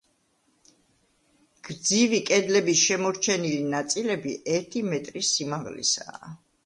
გრძივი კედლების შემორჩენილი ნაწილები ერთი მეტრის სიმაღლისაა.